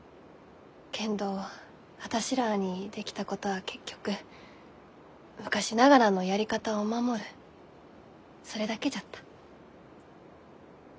けんど私らあにできたことは結局昔ながらのやり方を守るそれだけじゃった。